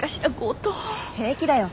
平気だよ。